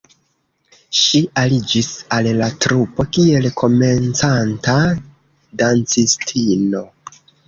Ŝi aliĝis al la trupo, kiel komencanta dancistino.